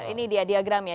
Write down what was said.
ini dia diagramnya